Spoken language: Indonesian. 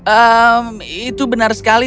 ehm itu benar sekali